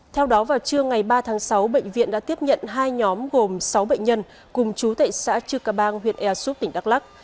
theo đó vào trưa ngày ba tháng sáu bệnh viện đã tiếp nhận hai nhóm gồm sáu bệnh nhân cùng chú tại xã trư cà bang huyện ea xuất tỉnh đắk lắc